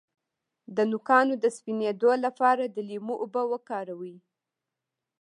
د نوکانو د سپینیدو لپاره د لیمو اوبه وکاروئ